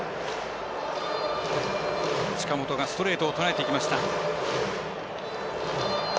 近本がストレートとらえていきました。